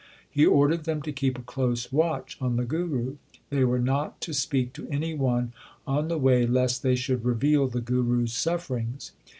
He ordered them to keep a close watch on the Guru. They were not to speak to any one on the way lest they should reveal the Guru s sufferings.